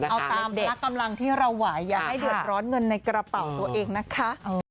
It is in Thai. เอาตามพละกำลังที่เราไหวอย่าให้เดือดร้อนเงินในกระเป๋าตัวเองนะคะ